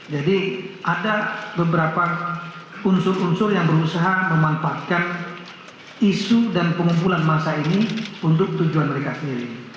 jadi ada beberapa unsur unsur yang berusaha memanfaatkan isu dan pengumpulan masa ini untuk tujuan mereka sendiri